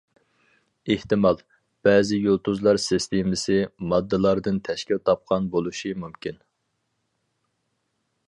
ئېھتىمال، بەزى يۇلتۇزلار سىستېمىسى ماددىلاردىن تەشكىل تاپقان بولۇشى مۇمكىن.